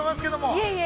◆いえいえ。